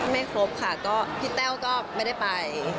ไม่ครบค่ะก็พี่แต้วก็ไม่ได้ไป